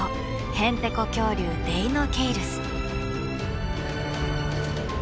ヘンテコ恐竜デイノケイルス。